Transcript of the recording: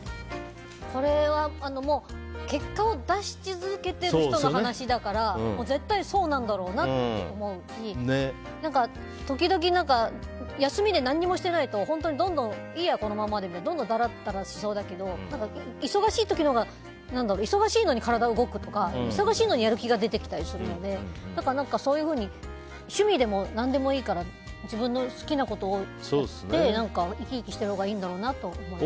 これは結果を出し続けてる人の話だから絶対そうなんだろうなって思うし時々、休みで何もしてないと本当にどんどんいいや、このままでってどんどんだらだらしそうだけど忙しいときのほうが忙しいのに体が動くとか忙しいのにやる気が出てきたりするのでそういうふうに趣味でも何でもいいから自分の好きなことをやって生き生きしてるほうがいいんだろうなと思います。